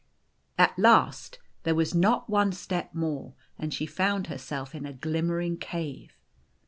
At last there was not one step more, and she found herself in a glimmering cave.